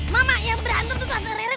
mama yang berantem tuh tak seri rek